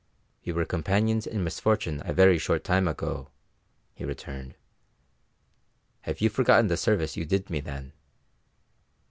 "We were companions in misfortune a very short time ago," he returned. "Have you forgotten the service you did me then?"